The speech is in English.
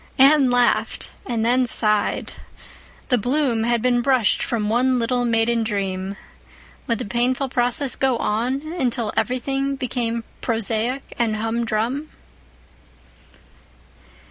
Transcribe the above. Anne laughed—and then sighed. The bloom had been brushed from one little maiden dream. Would the painful process go on until everything became prosaic and hum drum?